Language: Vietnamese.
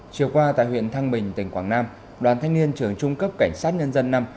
chiều qua tại huyện thăng bình tỉnh quảng nam đoàn thanh niên trường trung cấp cảnh sát nhân dân năm